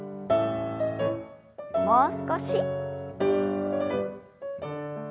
もう少し。